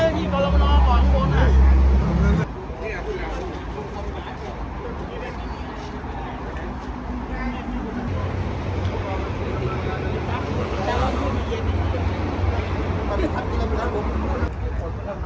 นี่อ่ะคุณแหละคุณคงต้องการสิ่งหรือเปล่า